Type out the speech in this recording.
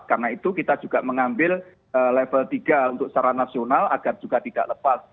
karena itu kita juga mengambil level tiga untuk secara nasional agar juga tidak lepas